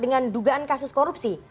dengan dugaan kasus korupsi